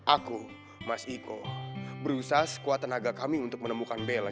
aku mas iko berusaha sekuat tenaga kami untuk menemukan bella